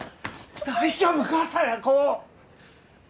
大丈夫か佐弥子！